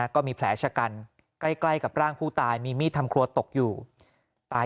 ก็มีแผลชะกันใกล้กับร่างผู้ตายมีมีดทำครัวตกอยู่ตาย